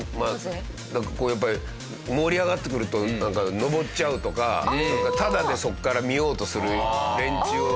こうやっぱり盛り上がってくるとなんか登っちゃうとかそれからタダでそこから見ようとする連中。